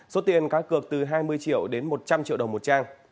số tiền cá cược từ hai mươi triệu đến một trăm linh triệu đồng một trang